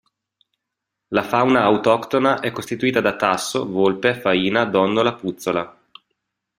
La fauna autoctona è costituita da tasso, volpe, faina, donnola, puzzola.